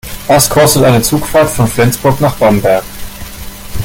Was kostet eine Zugfahrt von Flensburg nach Bamberg?